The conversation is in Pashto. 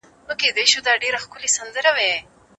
خپل ځان له هر ډول اضطراب او خفګان وساتئ.